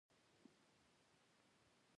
د زړه دښت مې د ابهام په اغزیو پټ دی.